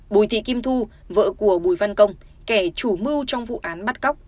bùi thị kim thu vợ của bùi văn công kẻ chủ mưu trong vụ án bắt cóc